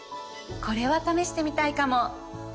これは試してみたいかも！